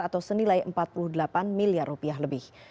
atau senilai empat puluh delapan miliar rupiah lebih